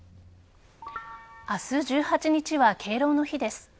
明日１８日は敬老の日です。